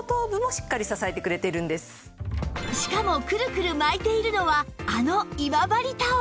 しかもくるくる巻いているのはあの今治タオル